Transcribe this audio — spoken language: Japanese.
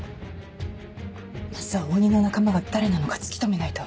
まずは鬼の仲間が誰なのか突き止めないと。